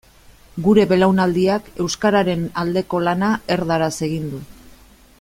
Gure belaunaldiak euskararen aldeko lana erdaraz egin du.